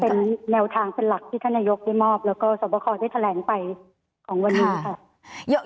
เป็นแนวทางเป็นหลักที่ท่านนายกได้มอบแล้วก็สวบคอได้แถลงไปของวันนี้ค่ะ